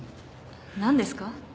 何ですか？